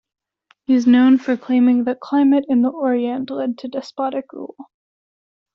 He is known for claiming that climate in the Orient led to despotic rule.